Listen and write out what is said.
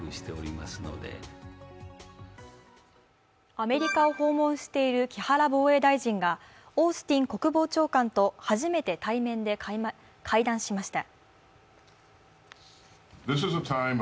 アメリカを訪問している木原防衛大臣がオースティン国防長官と初めて対面で会談しました。